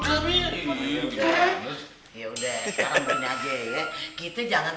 sekarang begini aja ya kita jangan